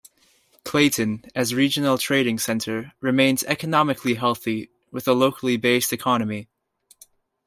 Clayton, as regional trading center, remains economically healthy, with a locally based economy.